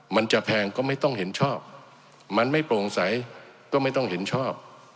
มันจะแพงก็ไม่ต้องเห็นชอบมันไม่โปร่งใสก็ไม่ต้องเห็นชอบ